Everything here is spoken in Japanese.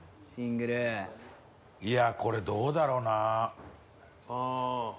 いやこれどうだろうな。